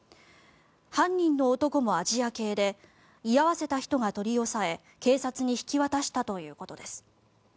犯人の男もアジア系で居合わせた人が取り押さえ警察に引き渡したということです。